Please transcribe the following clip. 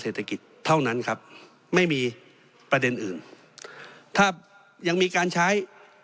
เศรษฐกิจเท่านั้นครับไม่มีประเด็นอื่นถ้ายังมีการใช้